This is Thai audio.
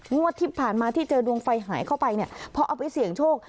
งวดที่ผ่านมาที่เจอดวงไฟหายเข้าไปเนี่ยพอเอาไปเสี่ยงโชค